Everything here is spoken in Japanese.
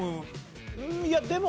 いやでも。